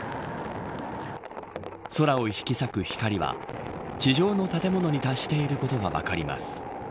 空を引き裂く光は地上の建物に達していることが分かります。